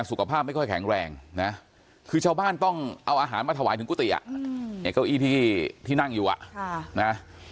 สุขภาพไม่ค่อยแข็งแรงนะคือชาวบ้านต้องเอาอาหารมาถวายถึงกุฏิอ่ะไอ้เก้าอี้ที่นั่งอยู่อ่ะนะ